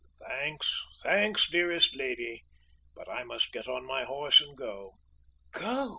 "Thanks thanks, dearest lady, but I must get upon my horse and go!" "Go?"